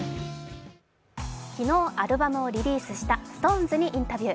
昨日、アルバムをリリースしたＳｉｘＴＯＮＥＳにインタビュー。